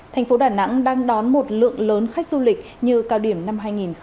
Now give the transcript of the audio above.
thành phố đà nẵng đang đón một lượng lớn khách du lịch như cao điểm năm hai nghìn hai mươi